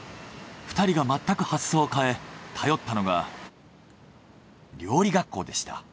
２人がまったく発想を変え頼ったのが料理学校でした。